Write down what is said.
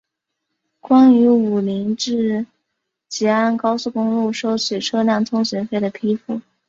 关于武宁至吉安高速公路收取车辆通行费的批复